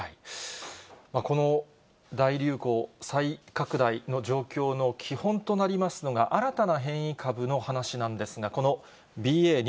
この大流行、再拡大の状況の基本となりますのが、新たな変異株の話なんですが、このＢＡ．２．７５です。